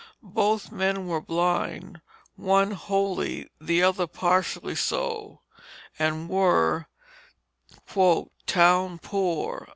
Both men were blind, one wholly, the other partially so and were "Town Poor."